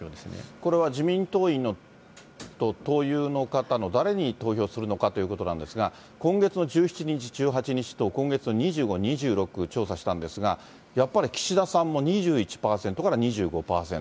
これは自民党員の党友の方の誰に投票するのかということなんですが、今月の１７日、１８日と、今月２５、２６に調査したんですが、やっぱり岸田さんも２１％から２５％。